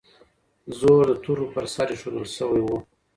زور د تورو پر سر ایښودل سوی و.